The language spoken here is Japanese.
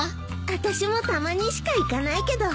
私もたまにしか行かないけど。